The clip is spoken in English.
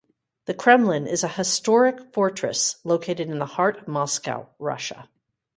The Kremlin is a historic fortress located in the heart of Moscow, Russia.